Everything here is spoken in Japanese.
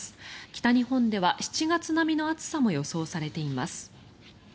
北日本では７月並みの暑さも予想されています。